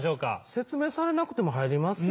説明されなくても入りますけど。